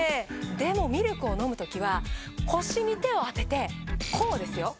でもミルクを飲む時は腰に手を当ててこうですよ。